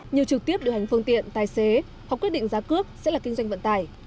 nhiều trực tiếp điều hành phương tiện tài xế hoặc quyết định giá cước sẽ là kinh doanh vận tải